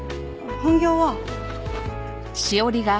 本業は。